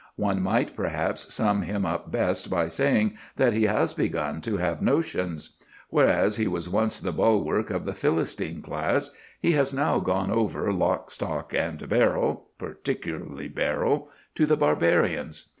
One might perhaps sum him up best by saying that he has begun to have notions. Whereas he was once the bulwark of the Philistine class, he has now gone over, lock, stock, and barrel particularly barrel to the Barbarians.